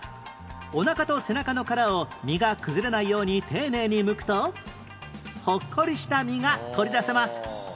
おなかと背中の殻を身が崩れないように丁寧にむくとほっこりした身が取り出せます